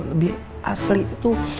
lebih asli tuh